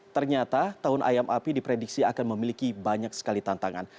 ternyata tahun ayam api diprediksi akan memiliki banyak sekali tantangan